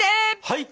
はい！